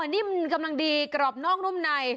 นิ่มกำลังดีกรอบนอกนุ่มใน